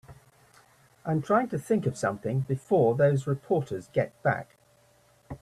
I'm trying to think of something before those reporters get back.